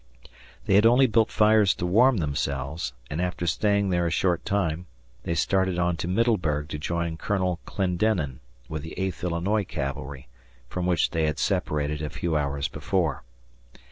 They had only built fires to warm themselves, and, after staying there a short time, they started on to Middleburg to join Colonel Clendenin, with the Eighth Illinois Cavalry, from which they had separated a few hours before.